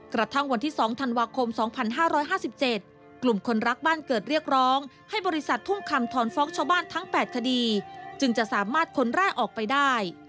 กระทั่งวันที่๒ธันวาคม๒๕๕๗กลุ่มคนรักบ้านเกิดเรียกร้องให้บริษัททุ่งคำถอนฟ้องชาวบ้านทั้ง๘คดีจึงจะสามารถคนแรกออกไปได้